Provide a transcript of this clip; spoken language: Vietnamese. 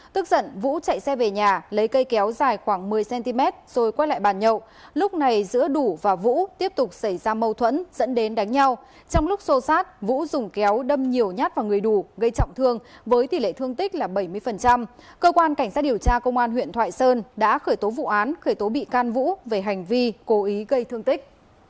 tức giận vũ chạy xe về nhà lấy cây kéo dài khoảng một mươi cm rồi quét lại bàn nhậu lúc này giữa đủ và vũ tiếp tục xảy ra mâu thuẫn dẫn đến đánh nhau trong lúc xô sát vũ dùng kéo đâm nhiều nhát vào người đủ gây trọng thương với tỷ lệ thương tích là bảy mươi cơ quan cảnh sát điều tra công an huyện thoại sơn đã khởi tố vụ án khởi tố bị can vũ về hành vi cố ý gây thương tích